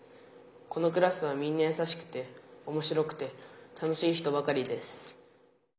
このクラスはみんなやさしくておもしろくて楽しい人ばかりです」。